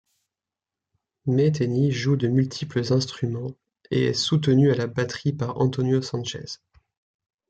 Metheny joue de multiples instruments, et est soutenu à la batterie par Antonio Sanchez.